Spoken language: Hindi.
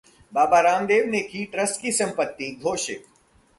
बाबा रामदेव ने की ट्रस्ट की संपत्ति घोषित